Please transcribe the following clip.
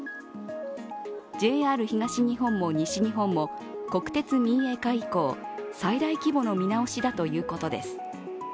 ＪＲ東日本も西日本も、国鉄民営化以降、最大規模の見直しだということです。